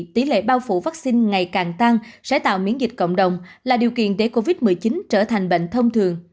tỷ lệ bao phủ vaccine ngày càng tăng sẽ tạo miễn dịch cộng đồng là điều kiện để covid một mươi chín trở thành bệnh thông thường